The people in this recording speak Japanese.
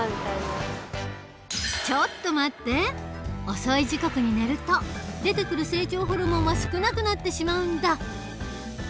遅い時刻に寝ると出てくる成長ホルモンは少なくなってしまうんだ。